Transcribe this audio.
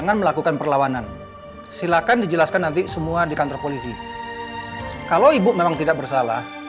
ada allah yang akan lindungi mama karena mama gak bersalah